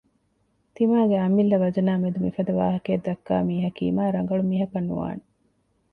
ތިމާގެ އަމިއްލަ ވަޒަނާމެދު މިފަދަ ވާހަކައެއް ދައްކާ މީހަކީ މާ ރަނގަޅު މީހަކަށް ނުވާނެ